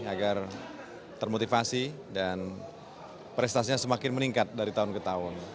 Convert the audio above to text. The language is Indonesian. agar termotivasi dan prestasinya semakin meningkat dari tahun ke tahun